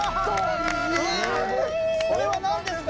これは何ですか？